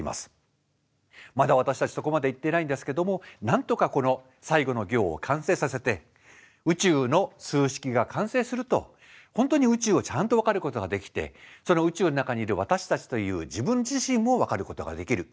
まだ私たちそこまで行ってないんですけどもなんとかこの最後の行を完成させて宇宙の数式が完成すると本当に宇宙をちゃんと分かることができてその宇宙の中にいる私たちという自分自身もわかることができる。